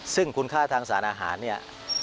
ซึ่งคุณค่าทางสารอาหารเนี่ย